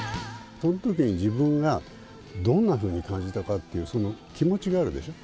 そのときに自分がどんなふうに感じたかって、その気持ちがあるでしょ。